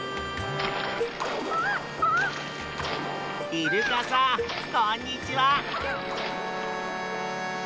イルカさんこんにちは。